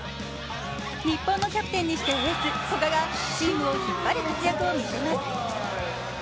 日本のキャプテンにしてエース・古賀がチームを引っ張る活躍を見せます。